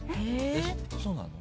そうなの？